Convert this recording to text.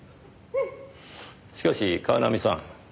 しかし川南さん。